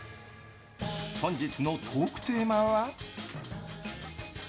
本日のトークテーマは。